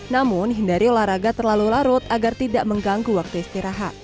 namun hindari olahraga terlalu larut agar tidak mengganggu waktu istirahat